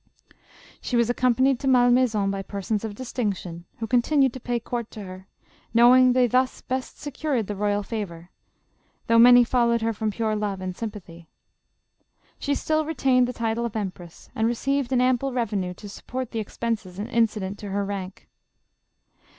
She was accompanied to Malmaison by persons of distinction, who continued to pay court to her, know ing they thus best secured the royal favor, though many followed her from pure love and sympathy. She still retained the title of empress, and received an ample revenue to support the expenses incident to her rank.